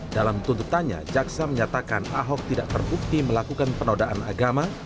dalam tuntutannya jaksa menyatakan ahok tidak terbukti melakukan penodaan agama